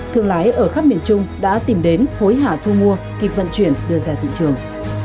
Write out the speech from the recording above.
thương lái ở khắp miền trung đã tìm đến hối hả thu mua kịp vận chuyển đưa ra thị trường